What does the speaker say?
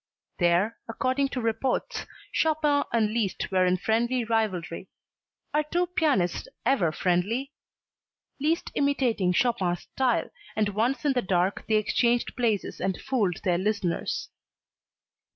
There, according to reports, Chopin and Liszt were in friendly rivalry are two pianists ever friendly? Liszt imitating Chopin's style, and once in the dark they exchanged places and fooled their listeners.